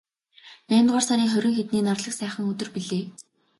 Наймдугаар сарын хорин хэдний нарлаг сайхан өдөр билээ.